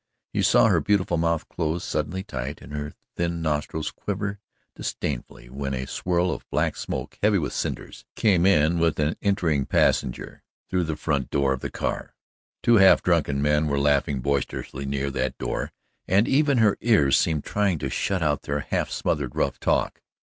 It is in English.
He saw her beautiful mouth close suddenly tight and her thin nostrils quiver disdainfully when a swirl of black smoke, heavy with cinders, came in with an entering passenger through the front door of the car. Two half drunken men were laughing boisterously near that door and even her ears seemed trying to shut out their half smothered rough talk.